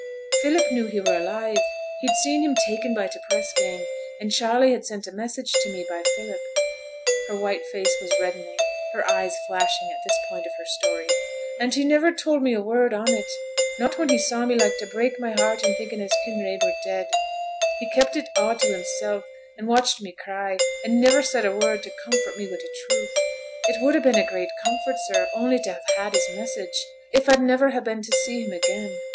'Philip knew he were alive; he'd seen him taken by t' press gang, and Charley had sent a message to me by Philip.' Her white face was reddening, her eyes flashing at this point of her story. 'And he niver told me a word on it, not when he saw me like to break my heart in thinking as Kinraid were dead; he kept it a' to hissel'; and watched me cry, and niver said a word to comfort me wi' t' truth. It would ha' been a great comfort, sir, only t' have had his message if I'd niver ha' been to see him again.